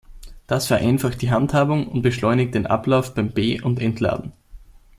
Das vereinfacht die Handhabung und beschleunigt den Ablauf beim Be- und Entladen.